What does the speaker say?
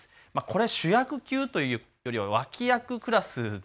これは主役級というよりは脇役クラス。